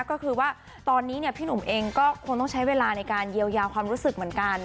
ก็คือว่าตอนนี้พี่หนุ่มเองก็คงต้องใช้เวลาในการเยียวยาความรู้สึกเหมือนกัน